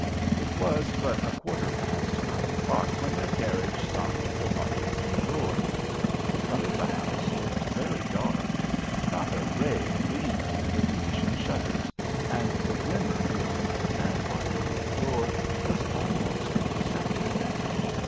It was but a quarter past nine o'clock when their carriage stopped at the Watkinson door. The front of the house looked very dark. Not a ray gleamed through the Venetian shutters, and the glimmer beyond the fan light over the door was almost imperceptible.